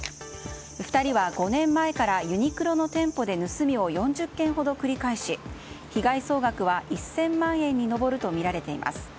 ２人は５年前からユニクロの店舗で盗みを４０件ほど繰り返し被害総額は１０００万円に上るとみられています。